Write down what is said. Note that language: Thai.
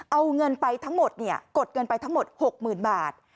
เอาเงินไปทั้งหมดกดเงินไปทั้งหมด๖๐๐๐บาท